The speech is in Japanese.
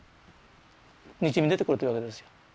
にじみ出てくるというわけですよ。